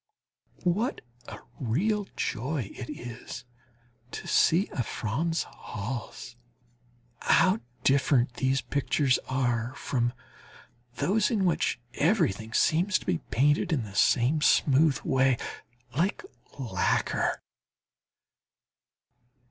What a real joy it is to see a Franz Hals! How different these pictures are from those in which everything seems to be painted in the same smooth way, like lacquer.